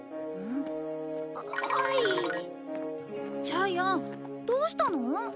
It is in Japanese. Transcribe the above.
ジャイアンどうしたの？